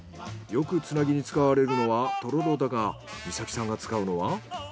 よくつなぎに使われるのはとろろだが美咲さんが使うのは。